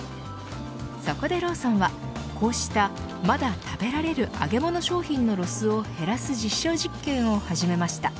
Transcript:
そこでローソンは、こうしたまだ食べられる揚げ物商品のロスを減らす実証実験を始めました。